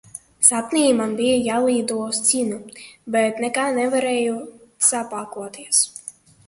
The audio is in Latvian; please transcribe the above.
Sapnī man bija jālido uz Ķīnu, bet nekā nevarēju sapakoties.